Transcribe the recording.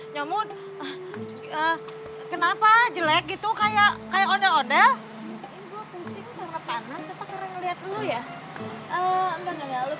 nyamut kenapa jelek gitu kaya ondel ondel